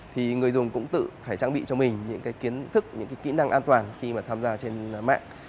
thì người dùng cũng tự phải trang bị cho mình những cái kiến thức những cái kỹ năng an toàn khi mà tham gia trên mạng